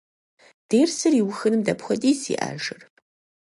Дерсыр иухыным дапхуэдиз иӏэжыр?